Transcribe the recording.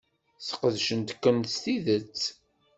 Sqedcent-ken s tidet.